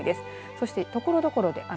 そして、ところどころで雨。